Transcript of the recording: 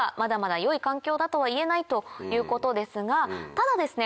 ただですね